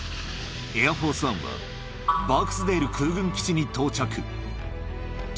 エアフォースワンは、バークスデール空軍基地に到着。